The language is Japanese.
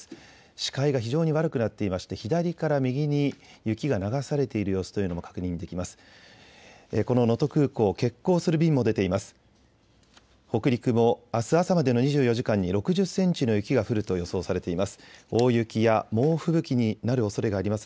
視界が非常に悪くなっていまして左から右に雪が流されている様子というのも確認できます。